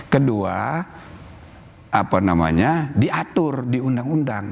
kedua diatur di undang undang